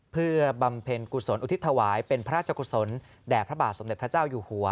เพื่อบำเพ็ญกุศลอุทิศถวายเป็นพระราชกุศลแด่พระบาทสมเด็จพระเจ้าอยู่หัว